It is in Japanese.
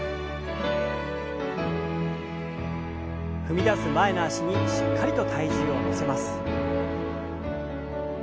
踏み出す前の脚にしっかりと体重を乗せます。